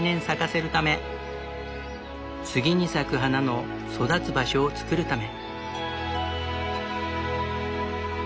次に咲く花の育つ場所を作るため。